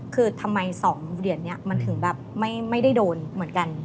คือทำไม๒เหรียญนี้มันถึงแบบไม่ได้โดนเหมือนกัน